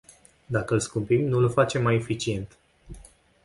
Dacă îl scumpim, nu îl facem mai eficient.